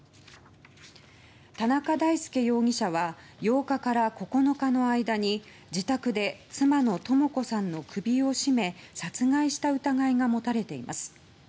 田中大介容疑者は８日から９日の間に自宅で妻の智子さんの首を絞め殺害した疑いが持たれています。